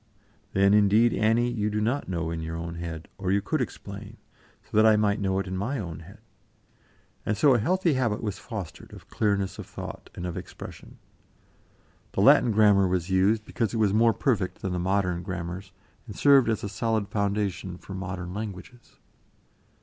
"Then, indeed, Annie, you do not know in your own head, or you could explain, so that I might know in my own head." And so a healthy habit was fostered of clearness of thought and of expression. The Latin grammar was used because it was more perfect than the modern grammars, and served as a solid foundation for modern languages.